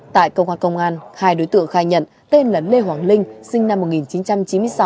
tại cơ quan công an hai đối tượng khai nhận tên là lê hoàng linh sinh năm một nghìn chín trăm chín mươi sáu